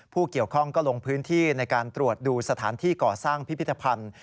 ผู้เกี่ยวข้องก็ลงพื้นที่ในการตรวจดูสถานที่ก่อสร้างพิพิธภัณฑ์